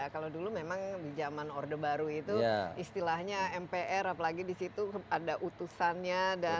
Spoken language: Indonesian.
kalau dulu memang di zaman orde baru itu istilahnya mpr apalagi di situ ada utusannya